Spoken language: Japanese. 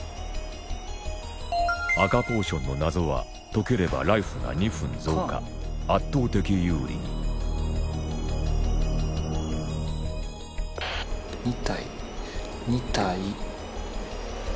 赤ポーションの謎は解ければライフが２分増加圧倒的有利にみたいみたい。